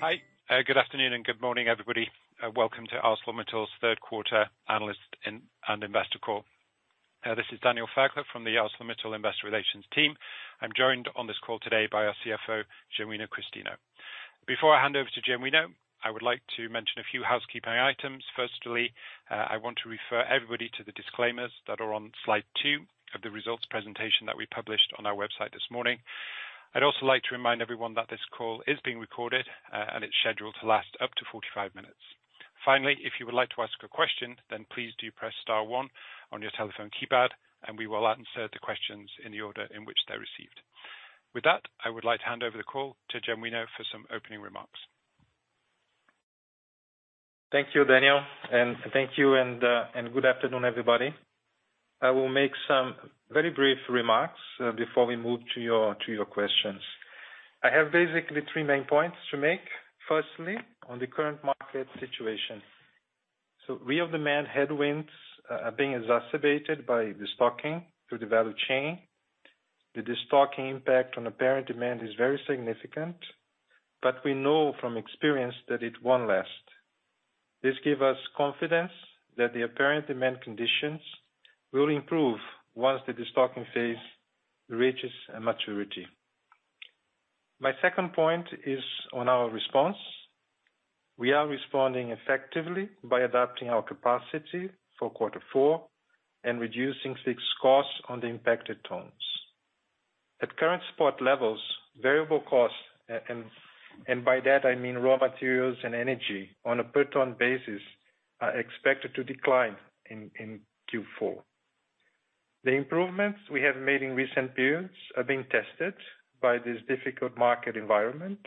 Hi, good afternoon and good morning, everybody. Welcome to ArcelorMittal's Third Quarter Analyst and Investor Call. This is Daniel Fairclough from the ArcelorMittal Investor Relations team. I'm joined on this call today by our CFO, Genuino Christino. Before I hand over to Genuino, I would like to mention a few housekeeping items. Firstly, I want to refer everybody to the disclaimers that are on slide two of the results presentation that we published on our website this morning. I'd also like to remind everyone that this call is being recorded, and it's scheduled to last up to 45 minutes. Finally, if you would like to ask a question, then please do press star one on your telephone keypad, and we will answer the questions in the order in which they're received. With that, I would like to hand over the call to Genuino for some opening remarks. Thank you, Daniel, and good afternoon, everybody. I will make some very brief remarks before we move to your questions. I have basically three main points to make. Firstly, on the current market situation. Real demand headwinds are being exacerbated by the destocking through the value chain. The destocking impact on apparent demand is very significant, but we know from experience that it won't last. This give us confidence that the apparent demand conditions will improve once the destocking phase reaches a maturity. My second point is on our response. We are responding effectively by adapting our capacity for quarter four and reducing fixed costs on the impacted tons. At current spot levels, variable costs, and by that, I mean, raw materials and energy on a per ton basis, are expected to decline in Q4. The improvements we have made in recent periods are being tested by this difficult market environment,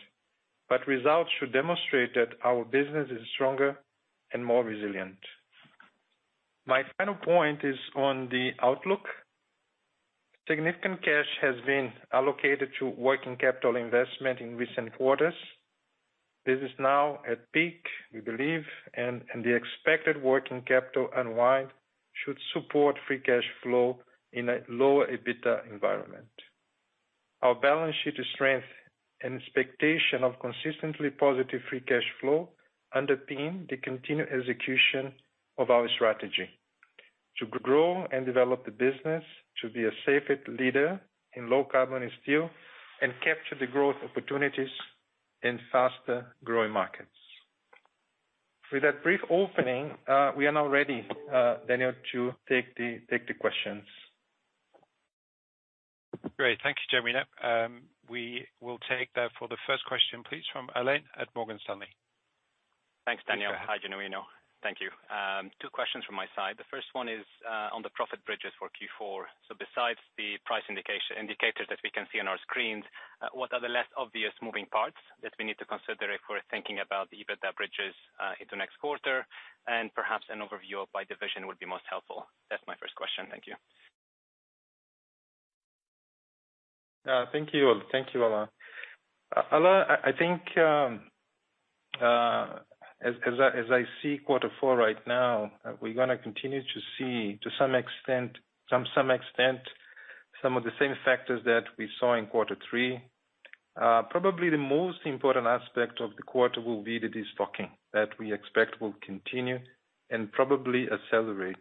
but results should demonstrate that our business is stronger and more resilient. My final point is on the outlook. Significant cash has been allocated to working capital investment in recent quarters. This is now at peak, we believe, and the expected working capital unwind should support free cash flow in a lower EBITDA environment. Our balance sheet strength and expectation of consistently positive free cash flow underpin the continued execution of our strategy. To grow and develop the business, to be a safer leader in low carbon steel and capture the growth opportunities in faster-growing markets. With that brief opening, we are now ready, Daniel, to take the questions. Great. Thank you, Genuino. We will take, therefore, the first question, please, from Alain at Morgan Stanley. Thanks, Daniel. Sure. Hi, Genuino. Thank you. Two questions from my side. The first one is on the profit bridges for Q4. Besides the price indicators that we can see on our screens, what are the less obvious moving parts that we need to consider if we're thinking about the EBITDA bridges into next quarter? And perhaps an overview by division would be most helpful. That's my first question. Thank you. Thank you. Thank you, Alain. Alain, I think, as I see quarter four right now, we're gonna continue to see, to some extent, some of the same factors that we saw in quarter three. Probably the most important aspect of the quarter will be the destocking that we expect will continue and probably accelerate.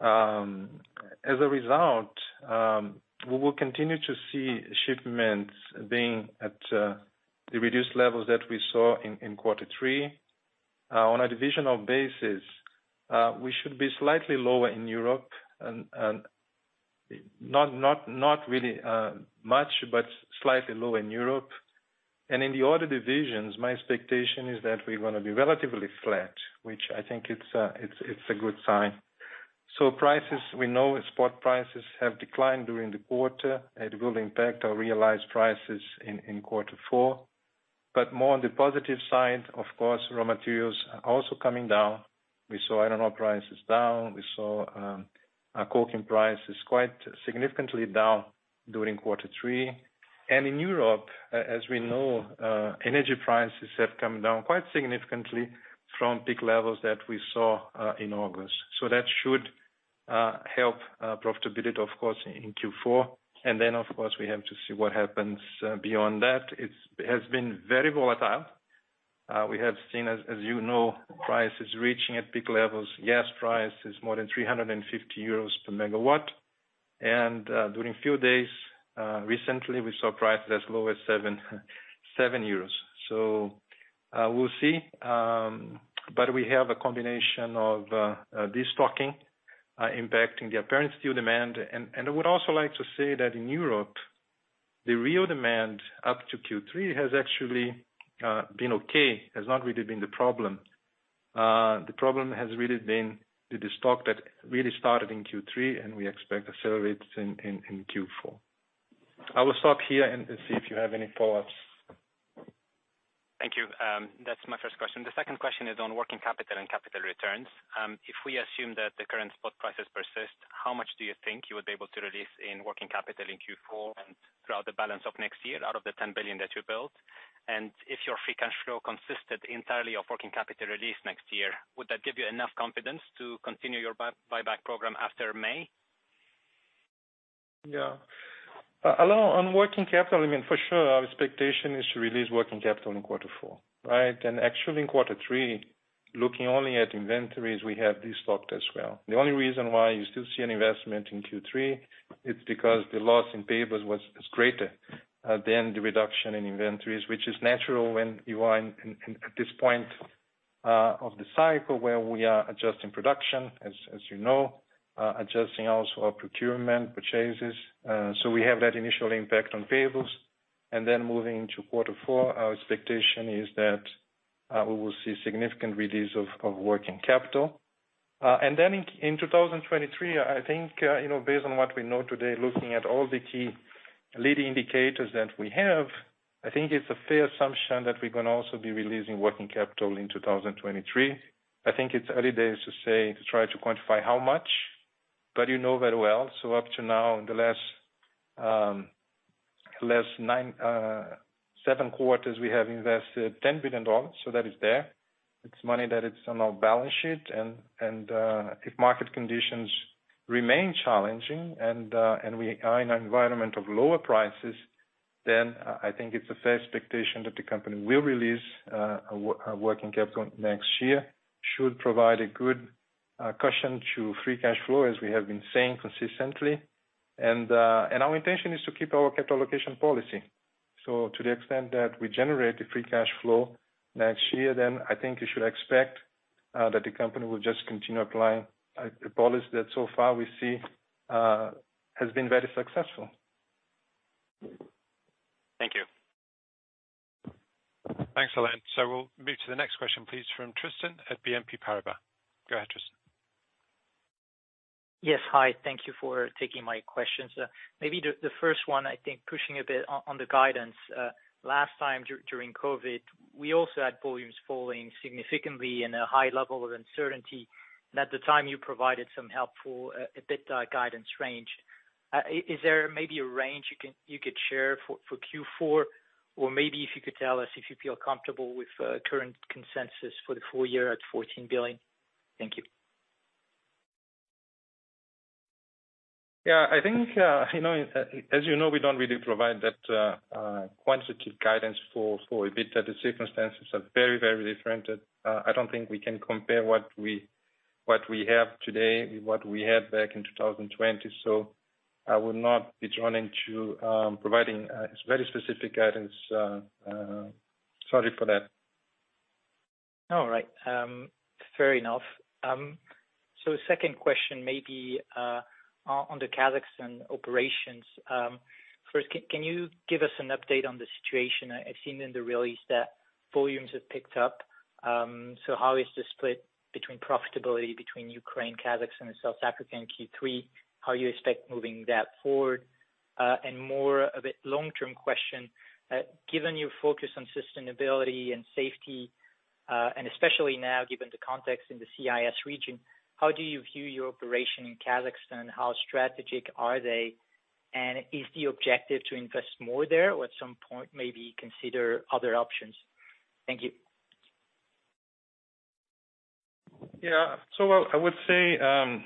As a result, we will continue to see shipments being at the reduced levels that we saw in quarter three. On a divisional basis, we should be slightly lower in Europe and not really much, but slightly lower in Europe. In the other divisions, my expectation is that we're gonna be relatively flat, which I think is a good sign. Prices, we know spot prices have declined during the quarter. It will impact our realized prices in quarter four. More on the positive side, of course, raw materials are also coming down. We saw iron ore prices down. We saw our coking prices quite significantly down during quarter three. In Europe, as we know, energy prices have come down quite significantly from peak levels that we saw in August. That should help profitability, of course, in Q4. Then, of course, we have to see what happens beyond that. It has been very volatile. We have seen, as you know, prices reaching at peak levels. Yes, price is more than 350 euros per megawatt. During few days recently, we saw prices as low as 7 euros. We'll see. We have a combination of destocking impacting the apparent steel demand. I would also like to say that in Europe, the real demand up to Q3 has actually been okay, has not really been the problem. The problem has really been the destock that really started in Q3, and we expect accelerates in Q4. I will stop here and see if you have any follow-ups. Thank you. That's my first question. The second question is on working capital and capital returns. If we assume that the current spot prices persist, how much do you think you would be able to release in working capital in Q4 and throughout the balance of next year out of the $10 billion that you built? If your free cash flow consisted entirely of working capital release next year, would that give you enough confidence to continue your buyback program after May? Yeah. Along on working capital, I mean, for sure our expectation is to release working capital in quarter four, right? Actually in quarter three, looking only at inventories, we have this stocked as well. The only reason why you still see an investment in Q3 is because the loss in payables was greater than the reduction in inventories, which is natural when you are at this point of the cycle where we are adjusting production, as you know, adjusting also our procurement purchases. We have that initial impact on payables. Moving to quarter four, our expectation is that we will see significant release of working capital. In 2023, I think, you know, based on what we know today, looking at all the key leading indicators that we have, I think it's a fair assumption that we're gonna also be releasing working capital in 2023. I think it's early days to say to try to quantify how much, but you know very well. Up to now, in the last seven quarters we have invested $10 billion, so that is there. It's money that it's on our balance sheet and if market conditions remain challenging and we are in an environment of lower prices, then I think it's a fair expectation that the company will release a working capital next year. Should provide a good cushion to free cash flow, as we have been saying consistently. Our intention is to keep our capital allocation policy. To the extent that we generate the free cash flow next year, then I think you should expect that the company will just continue applying the policy that so far we see has been very successful. Thank you. Thanks, Alain. We'll move to the next question, please, from Tristan at BNP Paribas. Go ahead, Tristan. Yes. Hi. Thank you for taking my questions. Maybe the first one, I think pushing a bit on the guidance. Last time during COVID, we also had volumes falling significantly and a high level of uncertainty, and at the time, you provided some helpful EBITDA guidance range. Is there maybe a range you could share for Q4? Or maybe if you could tell us if you feel comfortable with current consensus for the full year at $14 billion. Thank you. Yeah, I think, you know, as you know, we don't really provide that quantitative guidance for EBITDA. The circumstances are very different and I don't think we can compare what we have today with what we had back in 2020. I would not be drawn into providing very specific guidance, sorry for that. All right. Fair enough. Second question maybe on the Kazakhstan operations. First, can you give us an update on the situation? I've seen in the release that volumes have picked up. How is the split between profitability between Ukraine, Kazakhstan and South Africa in Q3? How you expect moving that forward? More of a long-term question, given your focus on sustainability and safety, and especially now given the context in the CIS region, how do you view your operation in Kazakhstan? How strategic are they? Is the objective to invest more there or at some point maybe consider other options? Thank you. Yeah, I would say that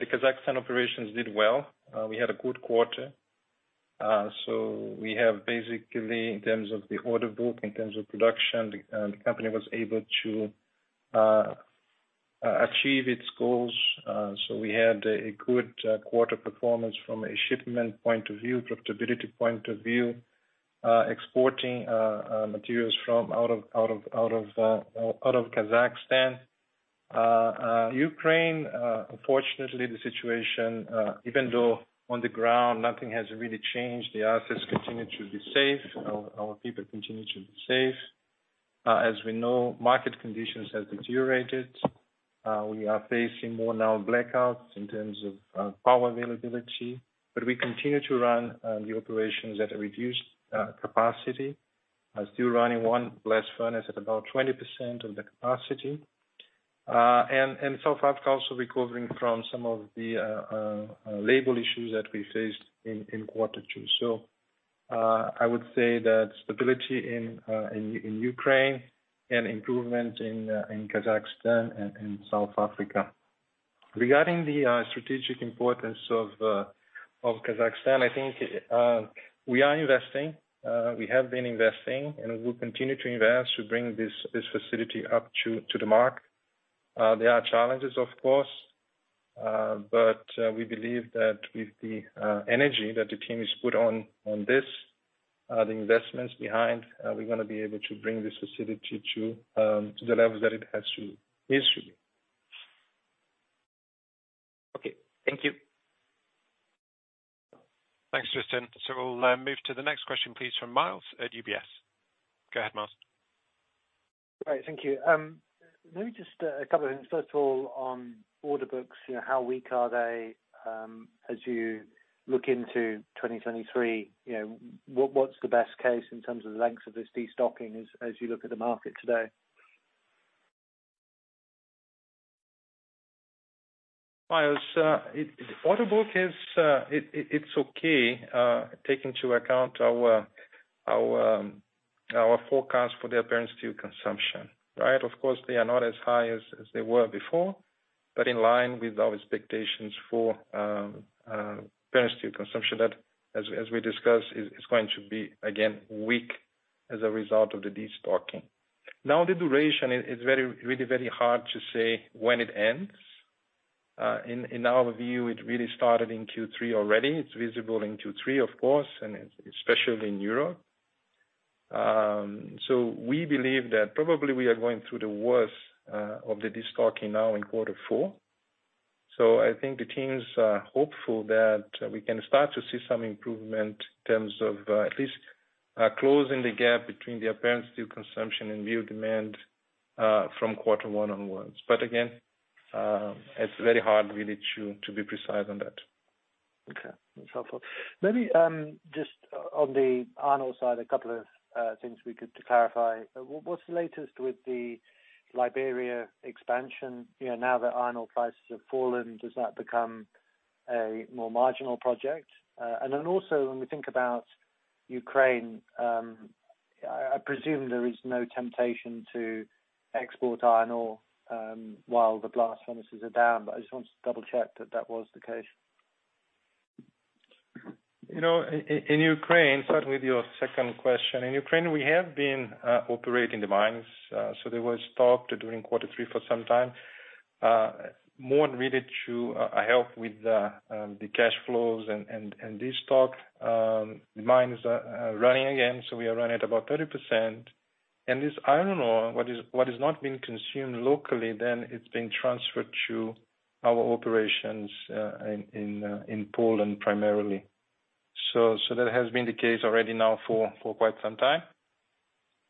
the Kazakhstan operations did well. We had a good quarter. We have basically, in terms of the order book, in terms of production, the company was able to achieve its goals. We had a good quarter performance from a shipment point of view, profitability point of view, exporting materials from out of Kazakhstan. Ukraine, unfortunately, the situation, even though on the ground nothing has really changed, the assets continue to be safe, our people continue to be safe. As we know, market conditions have deteriorated. We are facing more now blackouts in terms of power availability. We continue to run the operations at a reduced capacity, still running one blast furnace at about 20% of the capacity. South Africa also recovering from some of the labor issues that we faced in quarter two. I would say that stability in Ukraine and improvement in Kazakhstan and in South Africa. Regarding the strategic importance of Kazakhstan, I think, we are investing, we have been investing and we'll continue to invest to bring this facility up to the mark. There are challenges of course, but we believe that with the energy that the team has put on this, the investments behind, we're gonna be able to bring this facility to the levels that it should be. Okay. Thank you. Thanks, Tristan. We'll move to the next question, please, from Myles at UBS. Go ahead, Myles. Great. Thank you. Maybe just a couple of things. First of all, on order books, you know, how weak are they? As you look into 2023, you know, what's the best case in terms of the length of this destocking as you look at the market today? Myles, order book is, it's okay, take into account our forecast for the apparent steel consumption, right? Of course, they are not as high as they were before, but in line with our expectations for apparent steel consumption that, as we discussed, is going to be again weak as a result of the destocking. Now, the duration is very hard to say when it ends. In our view, it really started in Q3 already. It's visible in Q3, of course, and especially in Europe. We believe that probably we are going through the worst of the destocking now in quarter four. I think the teams are hopeful that we can start to see some improvement in terms of, at least, closing the gap between the apparent steel consumption and real demand, from quarter one onwards. Again, it's very hard really to be precise on that. Okay, that's helpful. Maybe just on the iron ore side, a couple of things we could clarify. What's the latest with the Liberia expansion? You know, now that iron ore prices have fallen, does that become a more marginal project? Also when we think about Ukraine, I presume there is no temptation to export iron ore while the blast furnaces are down, but I just wanted to double check that that was the case. You know, in Ukraine, starting with your second question. In Ukraine, we have been operating the mines. They were stopped during quarter three for some time. More really to help with the cash flows and this stock, the mines are running again, so we are running at about 30%. This iron ore, what is not being consumed locally, then it's being transferred to our operations in Poland primarily. That has been the case already now for quite some time.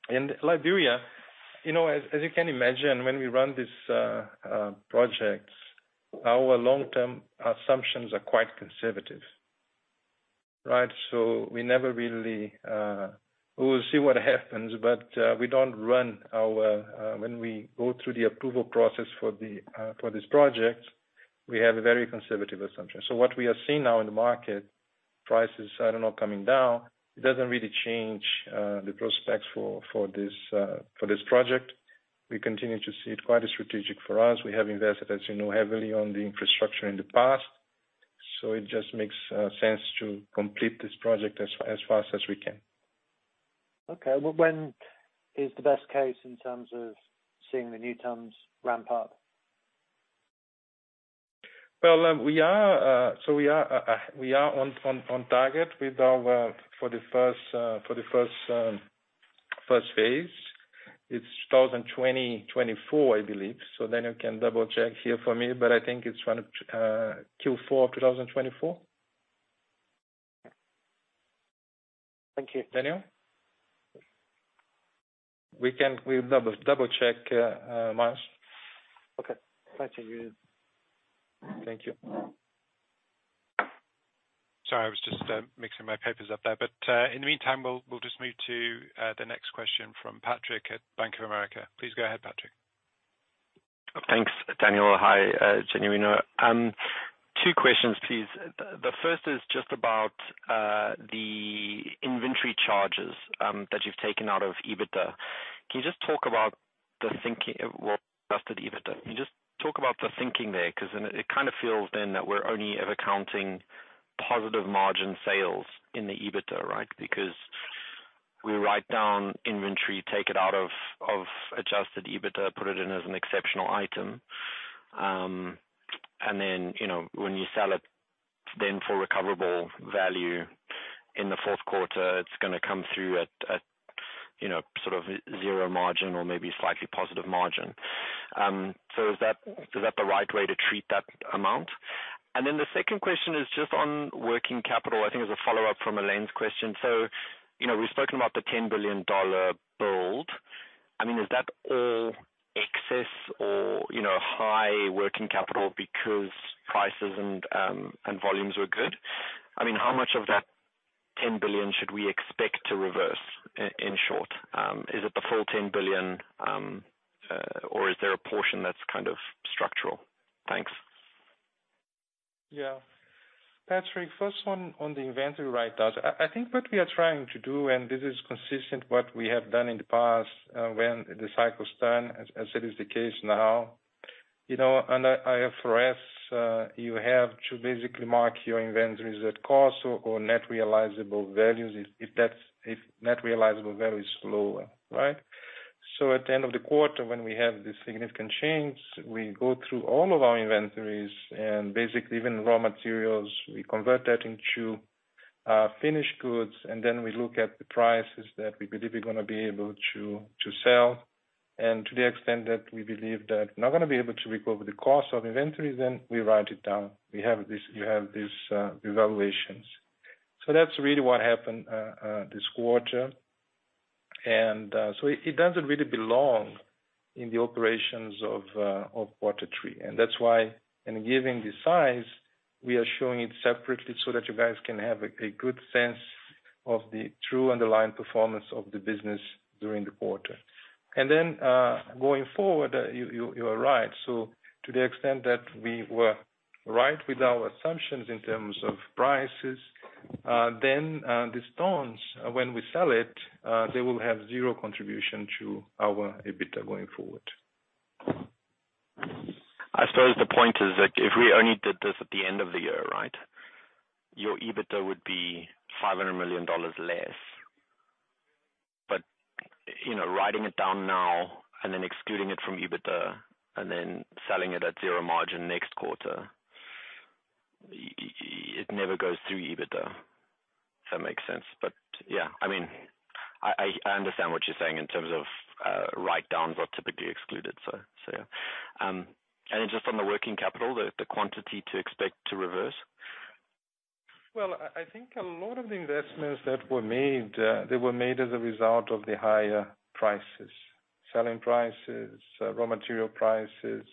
In Liberia, you know, as you can imagine, when we run these projects, our long-term assumptions are quite conservative, right? We never really, we'll see what happens, but we don't run our. When we go through the approval process for this project, we have a very conservative assumption. What we are seeing now in the market prices, I don't know, coming down, it doesn't really change the prospects for this project. We continue to see it quite strategic for us. We have invested, as you know, heavily on the infrastructure in the past, so it just makes sense to complete this project as fast as we can. Okay. When is the best case in terms of seeing the new tons ramp up? Well, we are on target with our for the first phase. It's 2024, I believe. You can double-check here for me, but I think it's around Q4 2024. Thank you. Daniel? We'll double-check, Myles. Okay. Thank you. Thank you. Sorry, I was just mixing my papers up there. In the meantime, we'll just move to the next question from Patrick at Bank of America. Please go ahead, Patrick. Thanks, Daniel. Hi, Genuino. Two questions, please. The first is just about the inventory charges that you've taken out of EBITDA. Can you just talk about the thinking there? Well, adjusted EBITDA. Can you just talk about the thinking there? 'Cause then it kind of feels then that we're only ever counting positive margin sales in the EBITDA, right? Because we write down inventory, take it out of adjusted EBITDA, put it in as an exceptional item. And then, you know, when you sell it then for recoverable value in the fourth quarter, it's gonna come through at you know, sort of zero margin or maybe slightly positive margin. So, is that the right way to treat that amount? And then the second question is just on working capital. I think it's a follow-up from Alain's question. You know, we've spoken about the $10 billion build. I mean, is that all excess or, you know, high working capital because prices and volumes were good? I mean, how much of that $10 billion should we expect to reverse in short? Is it the full $10 billion? Or is there a portion that's kind of structural? Thanks. Yeah. Patrick, first one on the inventory write-down. I think what we are trying to do, and this is consistent with what we have done in the past, when the cycle's done, as it is the case now. You know, under IFRS, you have to basically mark your inventories at cost or net realizable values if net realizable value is lower, right? At the end of the quarter when we have these significant changes, we go through all of our inventories and basically even raw materials, we convert that into finished goods, and then we look at the prices that we believe we're gonna be able to sell. To the extent that we believe that we're not gonna be able to recover the cost of inventories, then we write it down. We have these revaluations. That's really what happened this quarter. It doesn't really belong in the operations of quarter three. That's why in giving the size, we are showing it separately so that you guys can have a good sense of the true underlying performance of the business during the quarter. Going forward, you are right. To the extent that we were right with our assumptions in terms of prices, then the tons, when we sell it, they will have zero contribution to our EBITDA going forward. I suppose the point is that if we only did this at the end of the year, right, your EBITDA would be $500 million less. You know, writing it down now and then excluding it from EBITDA and then selling it at zero margin next quarter, it never goes through EBITDA, if that makes sense. Yeah, I mean, I understand what you're saying in terms of write-downs are typically excluded, so yeah. Then just on the working capital, the quantity to expect to reverse. Well, I think a lot of the investments that were made, they were made as a result of the higher prices, selling prices, raw material prices.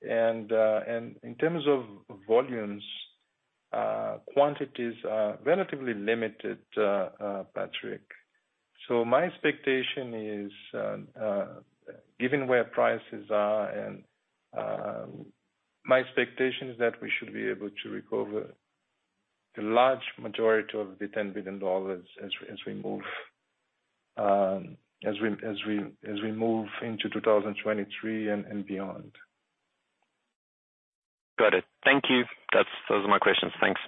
In terms of volumes, quantities are relatively limited, Patrick. My expectation is, even where prices are, my expectation is that we should be able to recover the large majority of the $10 billion as we move into 2023 and beyond. Got it. Thank you. Those are my questions. Thanks.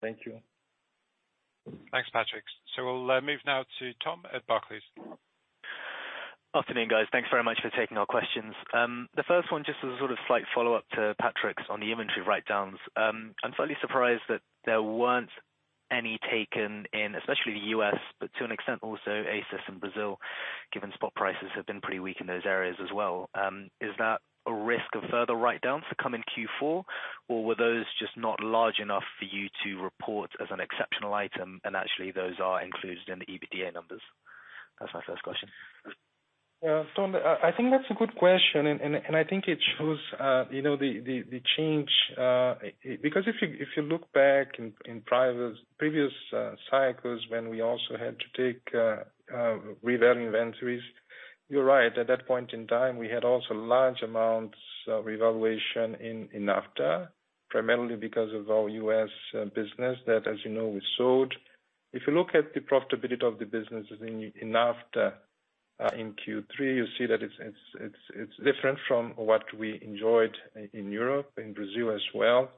Thank you. Thanks, Patrick. We'll move now to Tom at Barclays. Afternoon, guys. Thanks very much for taking our questions. The first one, just as a sort of slight follow-up to Patrick's on the inventory write-downs. I'm slightly surprised that there weren't any taken in, especially the U.S., but to an extent also ACIS in Brazil, given spot prices have been pretty weak in those areas as well. Is that a risk of further write-downs to come in Q4? Or were those just not large enough for you to report as an exceptional item and actually those are included in the EBITDA numbers? That's my first question. Yeah. I think that's a good question. I think it shows, you know, the change because if you look back in previous cycles when we also had to take revalue inventories, you're right. At that point in time, we had also large amounts of revaluation in NAFTA, primarily because of our U.S. business that, as you know, we sold. If you look at the profitability of the businesses in NAFTA in Q3, you see that it's different from what we enjoyed in Europe, in Brazil as well.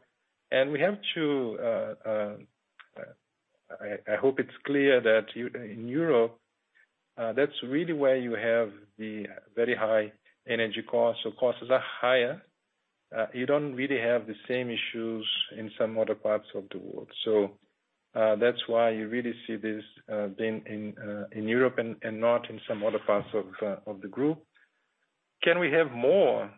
We have to I hope it's clear that in Europe that's really where you have the very high energy costs. Costs are higher. You don't really have the same issues in some other parts of the world. That's why you really see this being in Europe and not in some other parts of the group. Can we have more?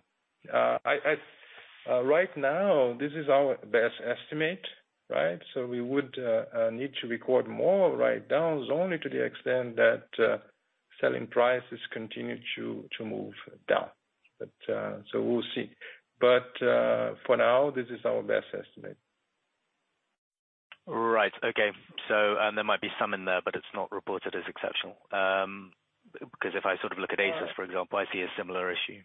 Right now this is our best estimate, right? We would need to record more write-downs only to the extent that selling prices continue to move down. We'll see. For now, this is our best estimate. Right. Okay. There might be some in there, but it's not reported as exceptional, because if I sort of look at ACIS, for example, I see a similar issue.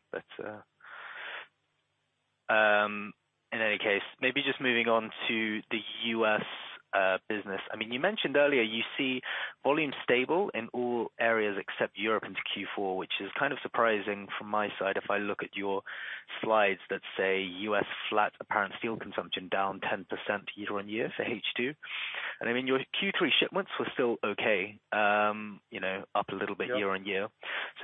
In any case, maybe just moving on to the U.S. business. I mean, you mentioned earlier, you see volume stable in all areas except Europe into Q4, which is kind of surprising from my side if I look at your slides that say U.S. flat apparent steel consumption down 10% year-on-year for H2. I mean, your Q3 shipments were still okay, you know, up a little bit year-on-year.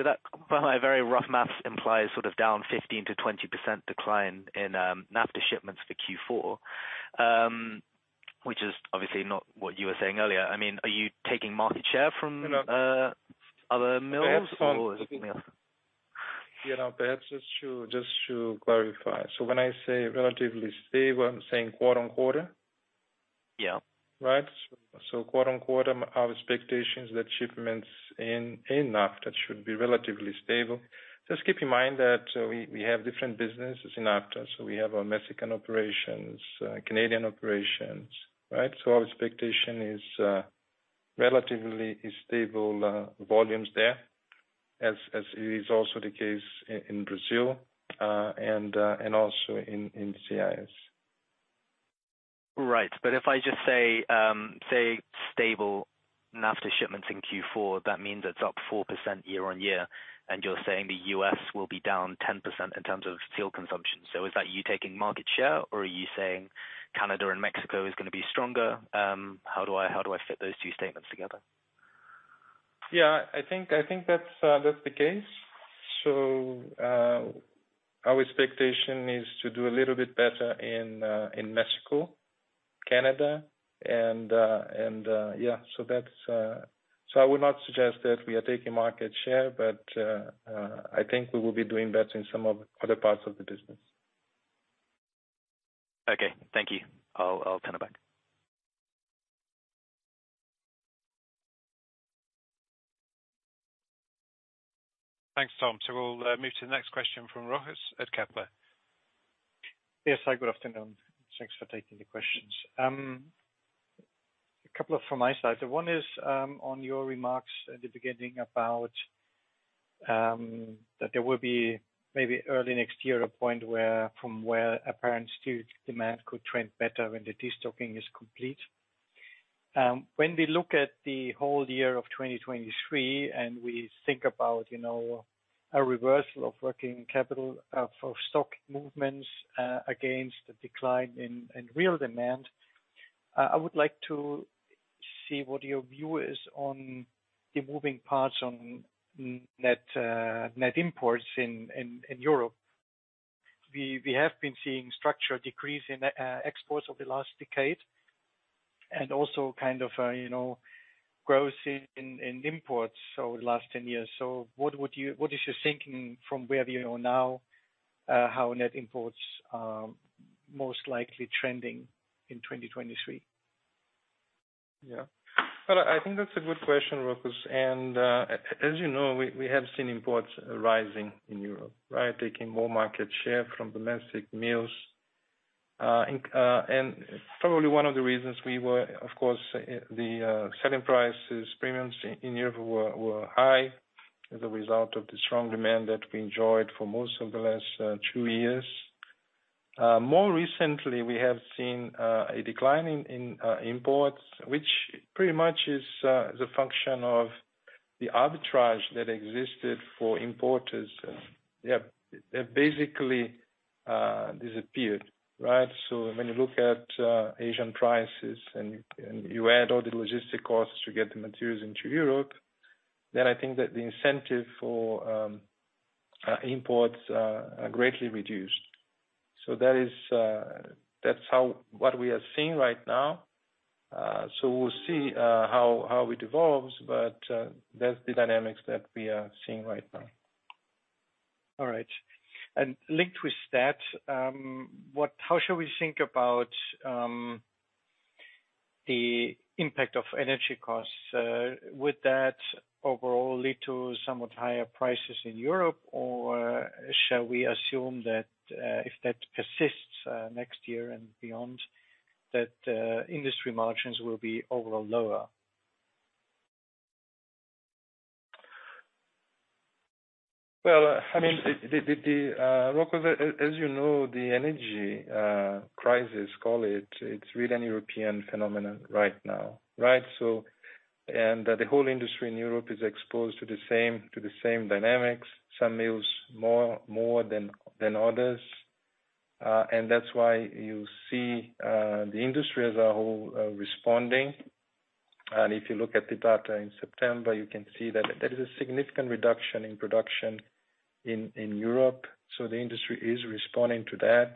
That, by my very rough math, implies sort of down 15%-20% decline in NAFTA shipments for Q4, which is obviously not what you were saying earlier. I mean, are you taking market share from other mills or? Yeah. No, perhaps just to clarify. When I say relatively stable, I'm saying quarter-on-quarter. Yeah. Quarter on quarter, our expectation is that shipments in NAFTA should be relatively stable. Just keep in mind that we have different businesses in NAFTA. We have our Mexican operations, Canadian operations, right? Our expectation is relatively stable volumes there, as is also the case in Brazil, and also in CIS. Right. If I just say stable NAFTA shipments in Q4, that means it's up 4% year-on-year, and you're saying the U.S. will be down 10% in terms of steel consumption. Is that you taking market share, or are you saying Canada and Mexico is gonna be stronger? How do I fit those two statements together? Yeah, I think that's the case. Our expectation is to do a little bit better in Mexico, Canada, and yeah. I would not suggest that we are taking market share, but I think we will be doing better in some other parts of the business. Okay. Thank you. I'll turn it back. Thanks, Tom. We'll move to the next question from Rochus at Kepler. Yes. Hi, good afternoon. Thanks for taking the questions. A couple from my side. One is on your remarks at the beginning about that there will be maybe early next year a point where apparent steel demand could trend better when the destocking is complete. When we look at the whole year of 2023 and we think about, you know, a reversal of working capital for stock movements against the decline in real demand, I would like to see what your view is on the moving parts on net imports in Europe. We have been seeing structural decrease in exports over the last decade and also kind of, you know, growth in imports over the last 10 years. What is your thinking from where we are now, how net imports are most likely trending in 2023? Yeah. Well, I think that's a good question, Rochus. As you know, we have seen imports rising in Europe, right? Taking more market share from domestic mills. Probably one of the reasons were the selling price premiums in Europe were high as a result of the strong demand that we enjoyed for most of the last two years. More recently, we have seen a decline in imports, which pretty much is the function of the arbitrage that existed for importers. Yeah. They've basically disappeared, right? When you look at Asian prices and you add all the logistic costs to get the materials into Europe, then I think that the incentive for imports are greatly reduced. That is, that's how. What we are seeing right now. We'll see how it evolves. That's the dynamics that we are seeing right now. All right. Linked with that, how should we think about the impact of energy costs? Would that overall lead to somewhat higher prices in Europe? Or shall we assume that, if that persists, next year and beyond, that industry margins will be overall lower? Well, I mean, the Rochus, as you know, the energy crisis, call it's really a European phenomenon right now, right? The whole industry in Europe is exposed to the same dynamics, some mills more than others. That's why you see the industry as a whole responding. If you look at the data in September, you can see that there is a significant reduction in production in Europe. The industry is responding to that.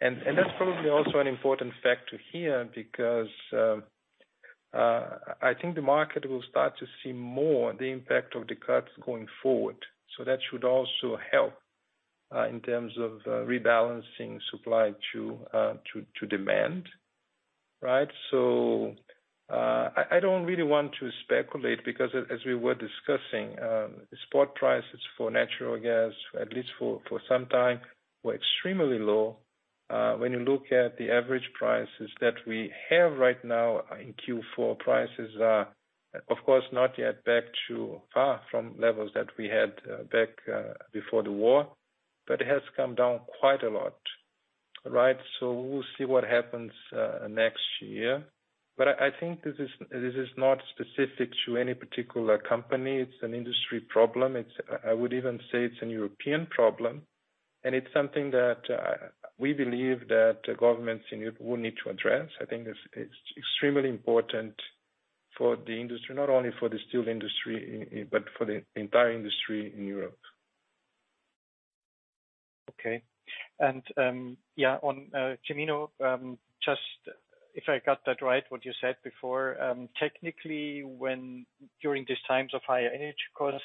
That's probably also an important factor here because I think the market will start to see more the impact of the cuts going forward. That should also help in terms of rebalancing supply to demand, right? I don't really want to speculate because as we were discussing, spot prices for natural gas, at least for some time, were extremely low. When you look at the average prices that we have right now in Q4, prices are of course not yet back to, far from, levels that we had back before the war, but it has come down quite a lot, right? We'll see what happens next year. I think this is not specific to any particular company. It's an industry problem. I would even say it's a European problem, and it's something that we believe that governments in Europe will need to address. I think it's extremely important for the industry, not only for the steel industry, but for the entire industry in Europe. On Genuino, just if I got that right, what you said before, technically, during these times of higher energy costs,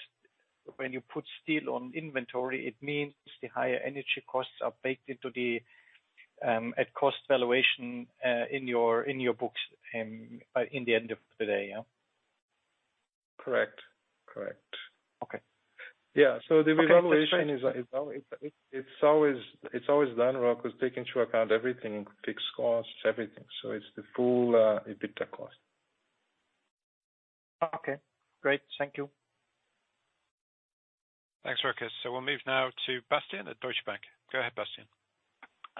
when you put steel on inventory, it means the higher energy costs are baked into the at cost valuation in your books in the end of the day? Correct. Correct. Okay. Yeah. The valuation is, it's always done, Rochus, take into account everything, fixed costs, everything. It's the full EBITDA cost. Okay, great. Thank you. Thanks, Rochus. We'll move now to Bastian at Deutsche Bank. Go ahead, Bastian.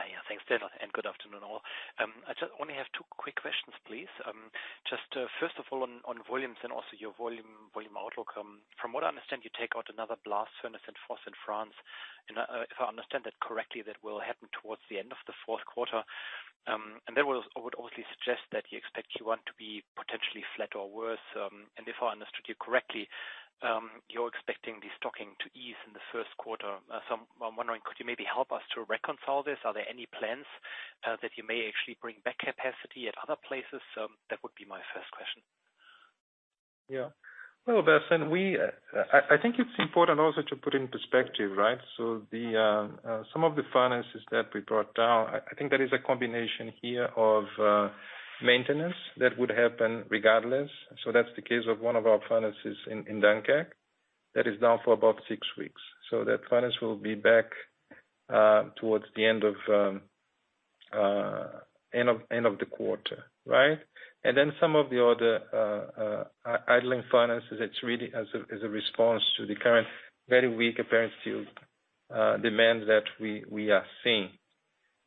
Yeah. Thanks, Daniel, and good afternoon all. I just only have two quick questions, please. Just, first of all on volumes and also your volume outlook. From what I understand, you take out another blast furnace in Fos in France, and if I understand that correctly, that will happen towards the end of the fourth quarter. That would obviously suggest that you expect Q1 to be potentially flat or worse. If I understood you correctly, you're expecting the stocking to ease in the first quarter. I'm wondering, could you maybe help us to reconcile this? Are there any plans that you may actually bring back capacity at other places? That would be my first question. Yeah. Well, Bastian, I think it's important also to put in perspective, right? Some of the furnaces that we brought down, I think that is a combination here of maintenance that would happen regardless. That's the case of one of our furnaces in Dunkirk that is down for about six weeks. That furnace will be back towards the end of the quarter, right? Then some of the other idling furnaces, it's really as a response to the current very weak European steel demand that we are seeing.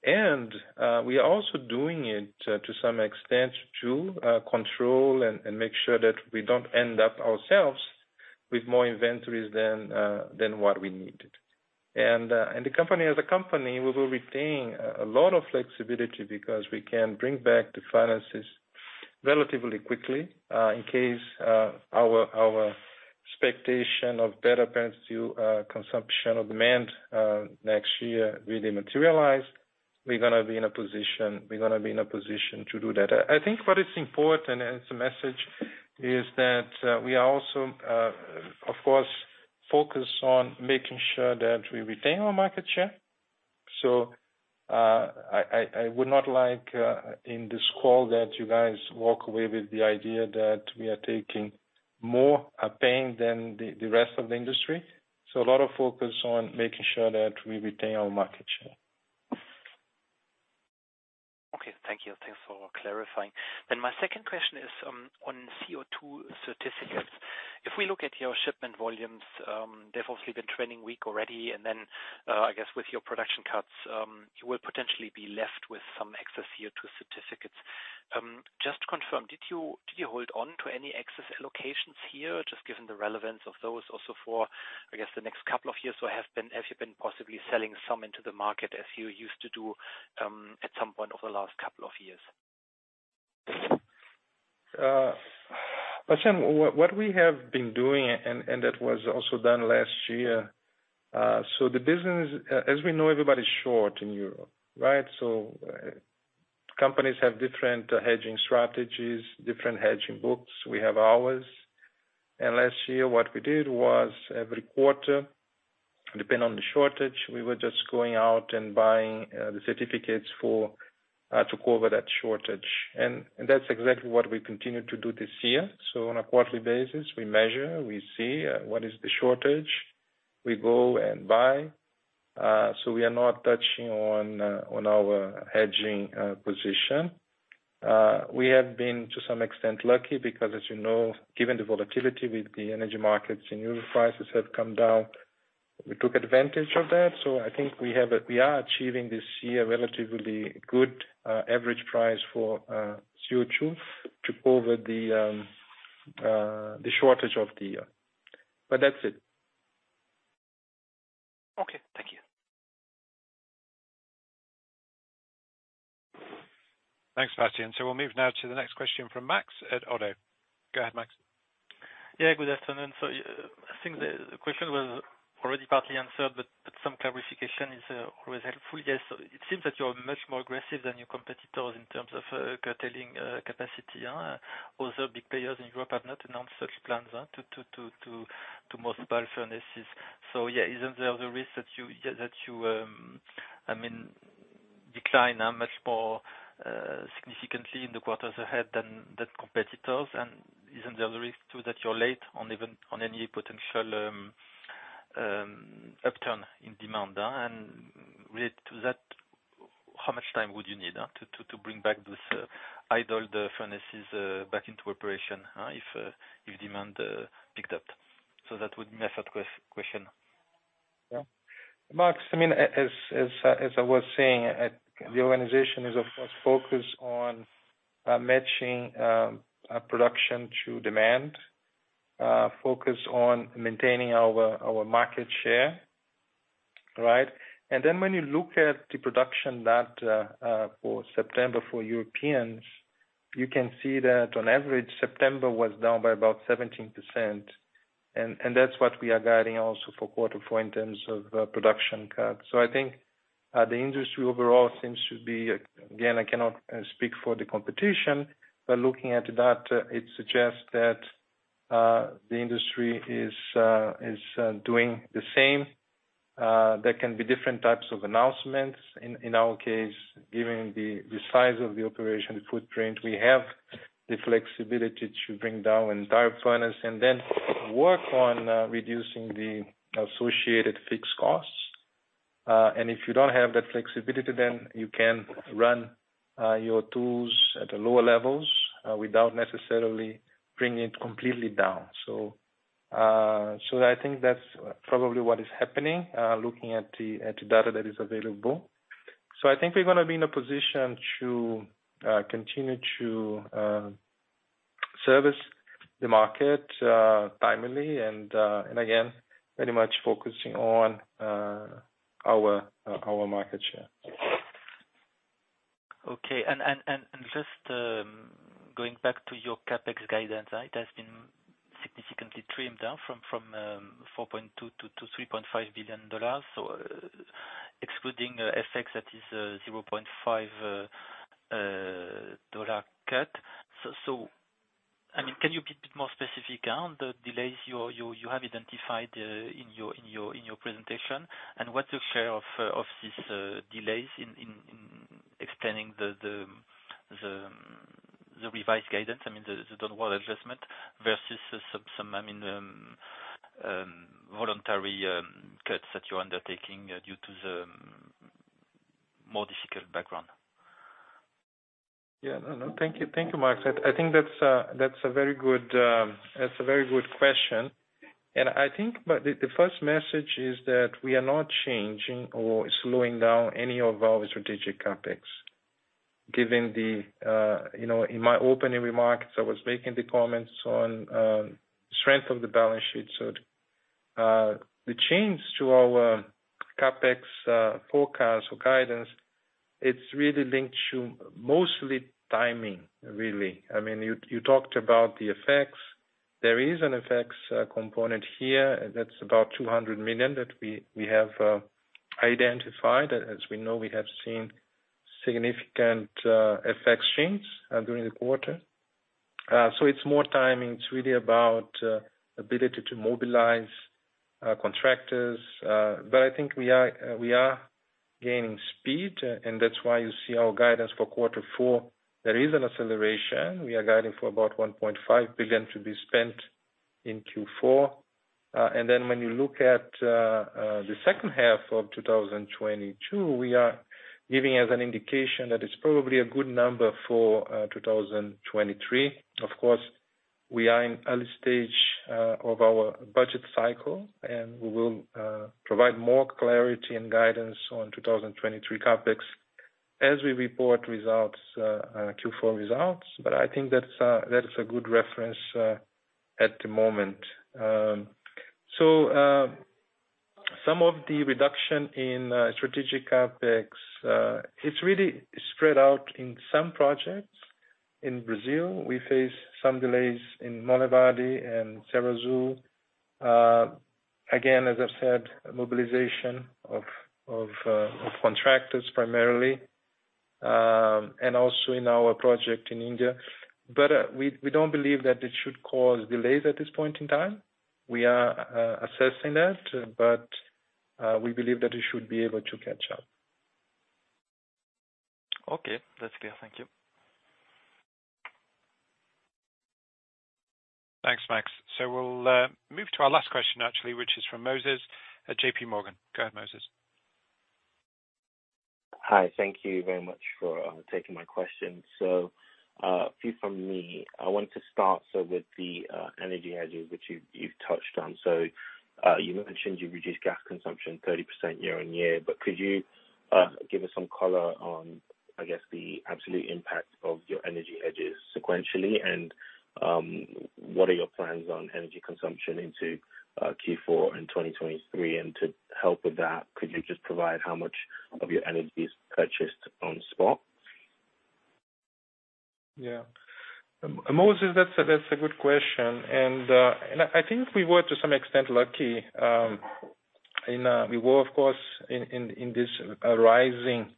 We are also doing it to some extent to control and make sure that we don't end up ourselves with more inventories than what we needed. The company, as a company, we will retain a lot of flexibility because we can bring back the furnaces relatively quickly, in case our expectation of better apparent steel consumption or demand next year really materialize. We're gonna be in a position to do that. I think what is important as a message is that we are also, of course, focused on making sure that we retain our market share. I would not like in this call that you guys walk away with the idea that we are taking more pain than the rest of the industry. A lot of focus on making sure that we retain our market share. Okay. Thank you. Thanks for clarifying. My second question is on CO2 certificates. If we look at your shipment volumes, they've obviously been trending weak already. I guess with your production cuts, you will potentially be left with some excess CO2 certificates. Just to confirm, did you hold on to any excess allocations here? Just given the relevance of those also for, I guess, the next couple of years, or have you been possibly selling some into the market as you used to do at some point over the last couple of years? Sam, what we have been doing, and that was also done last year. The business, as we know, everybody's short in Europe, right? Companies have different hedging strategies, different hedging books. We have ours. Last year, what we did was every quarter, depending on the shortage, we were just going out and buying the certificates to cover that shortage. That's exactly what we continue to do this year. On a quarterly basis, we measure, we see what is the shortage. We go and buy. We are not touching on our hedging position. We have been, to some extent, lucky, because as you know, given the volatility with the energy markets and euro prices have come down, we took advantage of that. I think we are achieving this year a relatively good average price for CO2 to cover the shortage of the year. That's it. Okay. Thank you. Thanks, Bastian. We'll move now to the next question from Max at ODDO. Go ahead, Max. Good afternoon. I think the question was already partly answered, but some clarification is always helpful. Yes. It seems that you are much more aggressive than your competitors in terms of curtailing capacity. Also big players in Europe have not announced such plans to mothball. Yeah. Isn't there the risk that you decline now much more significantly in the quarters ahead than the competitors? And isn't there the risk, too, that you're late on even on any potential upturn in demand? And related to that, how much time would you need to bring back these idled furnaces back into operation if demand picked up? That would be my third question. Yeah. Max, I mean, as I was saying, the organization is of course focused on matching production to demand, focused on maintaining our market share, right? Then when you look at the production that for September for Europeans, you can see that on average, September was down by about 17%. That's what we are guiding also for quarter four in terms of production cuts. I think the industry overall seems to be, again, I cannot speak for the competition, but looking at that, it suggests that the industry is doing the same. There can be different types of announcements. In our case, given the size of the operation footprint, we have the flexibility to bring down entire furnace and then work on reducing the associated fixed costs. If you don't have that flexibility, then you can run your tools at the lower levels without necessarily bringing it completely down. I think that's probably what is happening, looking at the data that is available. I think we're gonna be in a position to continue to service the market timely and again, very much focusing on our market share. Okay. Just going back to your CapEx guidance, right? It has been significantly trimmed down from $4.2 billion to $3.5 billion. Excluding the effects, that is a $0.5 billion cut. I mean, can you be a bit more specific on the delays you have identified in your presentation? What's the share of these delays in explaining the revised guidance, I mean, the downward adjustment versus some voluntary cuts that you're undertaking due to the more difficult background. Yeah. No, no. Thank you. Thank you, Max. I think that's a very good question. The first message is that we are not changing or slowing down any of our strategic CapEx. Given the, you know, in my opening remarks, I was making the comments on strength of the balance sheet. The change to our CapEx forecast or guidance, it's really linked to mostly timing, really. I mean, you talked about the FX. There is an FX component here that's about $200 million that we have identified. As we know, we have seen significant FX change during the quarter. It's more timing. It's really about ability to mobilize contractors. I think we are gaining speed, and that's why you see our guidance for quarter four. There is an acceleration. We are guiding for about $1.5 billion to be spent in Q4. When you look at the second half of 2022, we are giving as an indication that it's probably a good number for 2023. Of course, we are in early stage of our budget cycle, and we will provide more clarity and guidance on 2023 CapEx as we report results, our Q4 results. I think that is a good reference at the moment. Some of the reduction in strategic CapEx, it's really spread out in some projects. In Brazil, we face some delays in Monlevade and Serra Azul. Again, as I've said, mobilization of contractors primarily and also in our project in India. We don't believe that it should cause delays at this point in time. We are assessing that, but we believe that we should be able to catch up. Okay. That's clear. Thank you. Thanks, Max. We'll move to our last question, actually, which is from Moses at JPMorgan. Go ahead, Moses. Hi. Thank you very much for taking my question. A few from me. I want to start, so with the energy hedges which you've touched on. You mentioned you've reduced gas consumption 30% year-on-year, but could you give us some color on, I guess, the absolute impact of your energy hedges sequentially? What are your plans on energy consumption into Q4 in 2023? To help with that, could you just provide how much of your energy is purchased on spot? Yeah. Moses, that's a good question. I think we were, to some extent, lucky. We were, of course, in this rising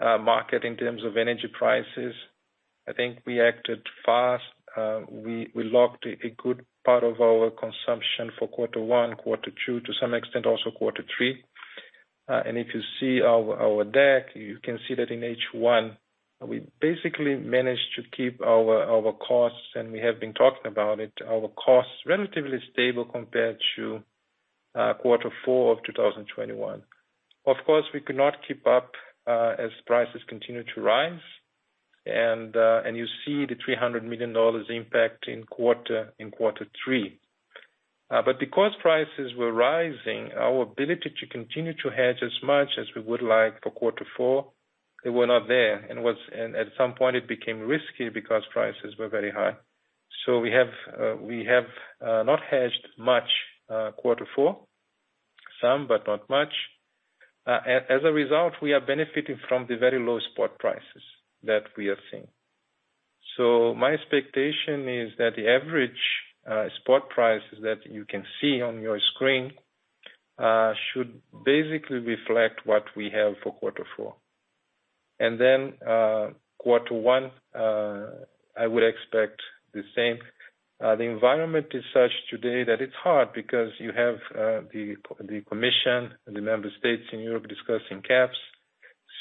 market in terms of energy prices. I think we acted fast. We locked a good part of our consumption for quarter one, quarter two, to some extent, also quarter three. If you see our deck, you can see that in H1, we basically managed to keep our costs, and we have been talking about it, our costs relatively stable compared to quarter four of 2021. Of course, we could not keep up as prices continued to rise. You see the $300 million impact in quarter three. Because prices were rising, our ability to continue to hedge as much as we would like for quarter four, they were not there. At some point it became risky because prices were very high. We have not hedged much quarter four. Some, but not much. As a result, we are benefiting from the very low spot prices that we are seeing. My expectation is that the average spot prices that you can see on your screen should basically reflect what we have for quarter four. Quarter one I would expect the same. The environment is such today that it's hard because you have the Commission and the member states in Europe discussing caps.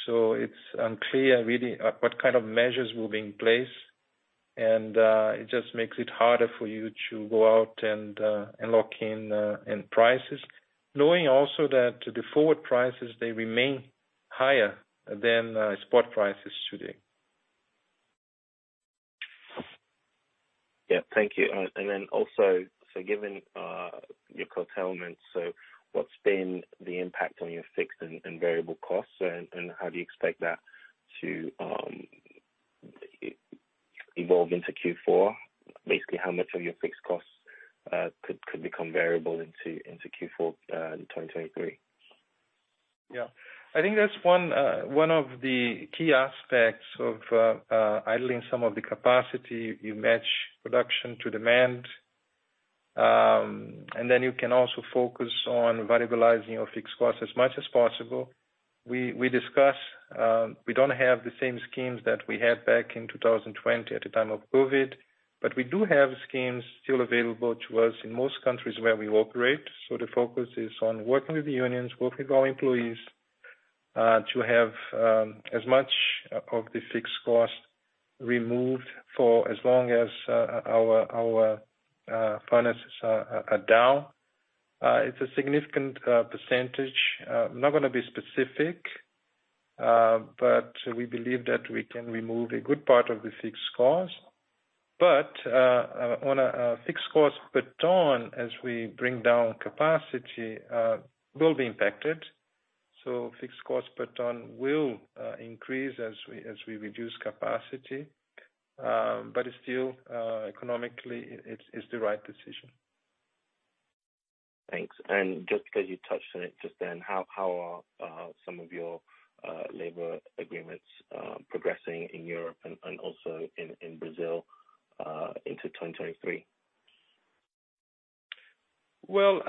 It's unclear really what kind of measures will be in place. It just makes it harder for you to go out and lock in prices, knowing also that the forward prices, they remain higher than spot prices today. Thank you. Given your curtailment, what's been the impact on your fixed and variable costs, and how do you expect that to evolve into Q4? Basically, how much of your fixed costs could become variable into Q4 in 2023? Yeah. I think that's one of the key aspects of idling some of the capacity. You match production to demand. You can also focus on variabilizing your fixed costs as much as possible. We don't have the same schemes that we had back in 2020 at the time of COVID. We do have schemes still available to us in most countries where we operate. The focus is on working with the unions, working with our employees, to have as much of the fixed cost removed for as long as our furnaces are down. It's a significant percentage. I'm not gonna be specific. We believe that we can remove a good part of the fixed cost. On the fixed cost per ton, as we bring down capacity, will be impacted. Fixed cost per ton will increase as we reduce capacity. It's still, economically, it's the right decision. Thanks. Just 'cause you touched on it just then, how are some of your labor agreements progressing in Europe and also in Brazil into 2023? Well,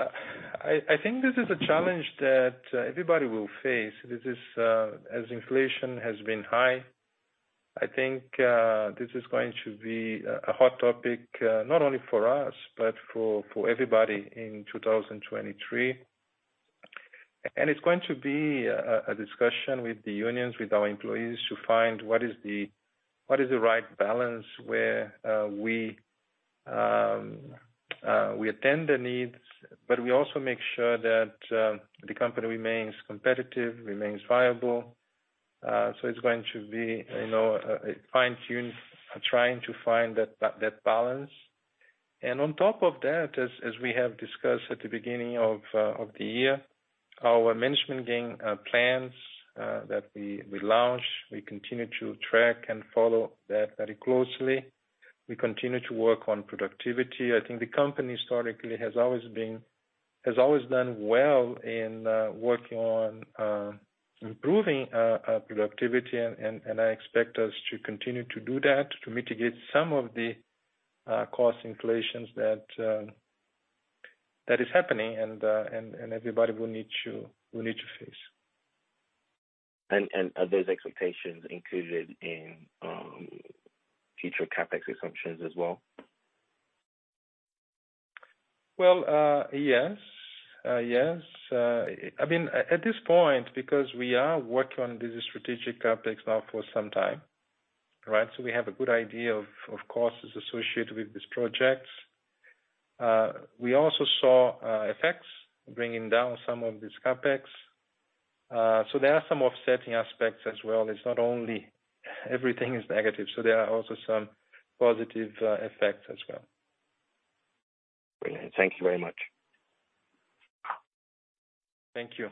I think this is a challenge that everybody will face. This is, as inflation has been high, I think, a hot topic not only for us, but for everybody in 2023. It's going to be a discussion with the unions, with our employees to find what is the right balance where we attend the needs, but we also make sure that the company remains competitive, remains viable. It's going to be, you know, fine-tuned trying to find that balance. On top of that, as we have discussed at the beginning of the year, our management gainsharing plans that we launch, we continue to track and follow that very closely. We continue to work on productivity. I think the company historically has always done well in working on improving productivity and I expect us to continue to do that to mitigate some of the cost inflations that is happening and everybody will need to face. Are those expectations included in future CapEx assumptions as well? Well, yes. I mean, at this point because we are working on this strategic CapEx now for some time, right? We have a good idea of costs associated with these projects. We also saw efforts bringing down some of these CapEx. There are some offsetting aspects as well. It's not only everything is negative, so there are also some positive effects as well. Brilliant. Thank you very much. Thank you.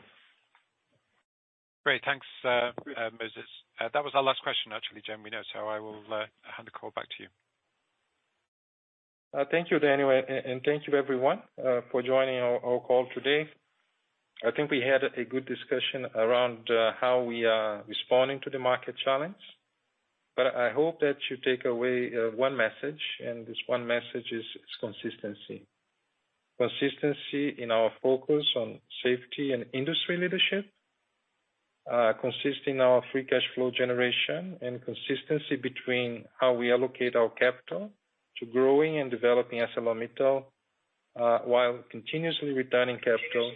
Great. Thanks, Moses. That was our last question actually, Genuino. I will hand the call back to you. Thank you, Daniel, and thank you everyone for joining our call today. I think we had a good discussion around how we are responding to the market challenge. I hope that you take away one message, and this one message is consistency. Consistency in our focus on safety and industry leadership. Consistency in our free cash flow generation and consistency between how we allocate our capital to growing and developing ArcelorMittal while continuously returning capital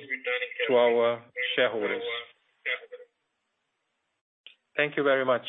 to our shareholders. Thank you very much.